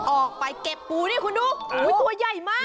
ออกไปเก็บปูนี่คุณดูตัวใหญ่มาก